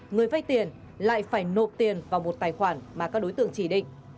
người vay tiền lại phải nộp tiền vào một tài khoản mà các đối tượng chỉ định